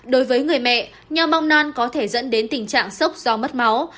đối với người mẹ nho mong non có thể dẫn đến tình trạng sốc do mất máu